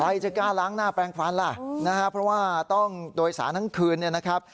ใครจะกล้าล้างหน้าแปลงฟันล่ะนะฮะเพราะว่าต้องโดยสารทั้งคืนเนี่ยนะครับ